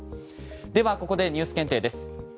では、ここでＮＥＷＳ検定です。